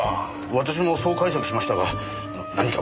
私もそう解釈しましたが何か問題でも？